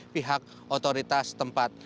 pihak otoritas tempat